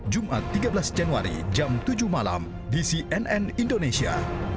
jumat tiga belas januari jam tujuh malam di cnn indonesia